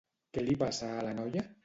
Què li passa a la noia?